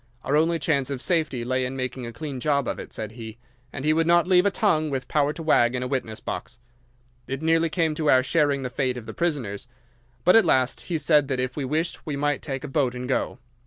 Our only chance of safety lay in making a clean job of it, said he, and he would not leave a tongue with power to wag in a witness box. It nearly came to our sharing the fate of the prisoners, but at last he said that if we wished we might take a boat and go.